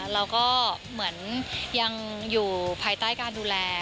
เราก็เหมือนยังอยู่ภายใต้การดูแล